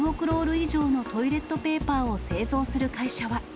ロール以上のトイレットペーパーを製造する会社は。